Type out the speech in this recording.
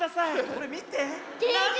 これみて。